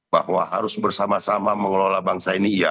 bahwa harus bersama sama mengelola bangsa ini iya